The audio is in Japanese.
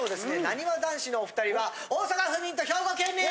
なにわ男子のお２人は大阪府民と兵庫県民！